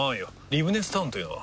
リブネスタウンというのは？